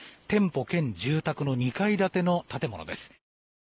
店舗兼住宅の２階建ての建物です。